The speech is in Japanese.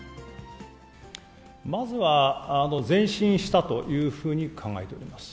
まずは前進したというふうに考えております。